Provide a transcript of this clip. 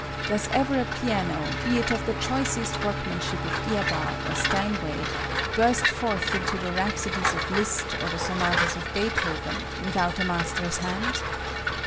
Does ever a piano, be it of the choicest workmanship of Ehrbar or Steinway, burst forth into the Rhapsodies of Liszt or the Sonatas of Beethoven, without a master's hand?